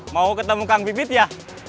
mau ketemu kang bibit ya